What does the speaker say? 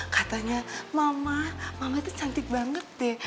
katanya mama mama itu cantik banget deh